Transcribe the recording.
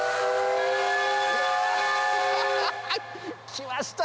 来ました